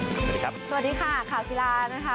สวัสดีครับสวัสดีค่ะข่าวกีฬานะคะ